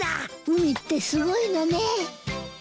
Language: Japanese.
海ってすごいのね。